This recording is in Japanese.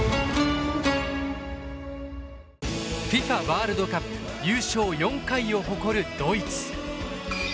ワールドカップ優勝４回を誇るドイツ。